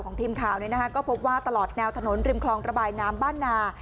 ทีมข่าวก็พบว่าตลอดแนวถนนริมคลองระบายน้ำบ้านนา